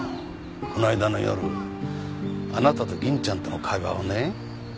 この間の夜あなたと銀ちゃんとの会話をね。